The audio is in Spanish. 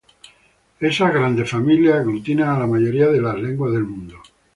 Esas grandes familias aglutinan a la mayoría de lenguas del mundo.